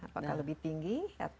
apakah lebih tinggi